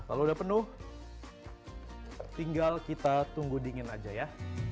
kalau udah penuh tinggal kita tunggu dingin aja ya